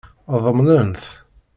Ḍemnen-t.